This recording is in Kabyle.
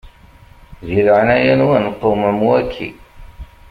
Di leɛnaya-nwen qewmem waki.